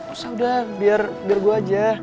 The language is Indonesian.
usah udah biar gue aja